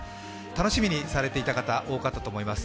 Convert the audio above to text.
楽しみにされていた方、多かったと思います。